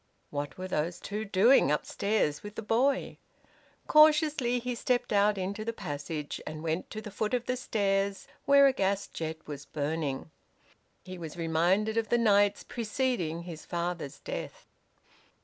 What were those two doing upstairs with the boy? Cautiously he stepped out into the passage, and went to the foot of the stairs, where a gas jet was burning. He was reminded of the nights preceding his father's death.